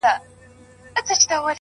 مهرباني له زړونو لاره مومي’